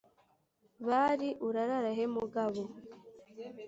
bari urarara he mugabo